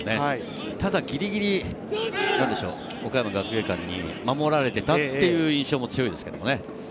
ただギリギリ岡山学芸館に守られてたっていう印象も強いですけどね。